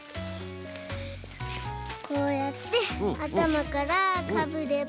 こうやってあたまからかぶれば。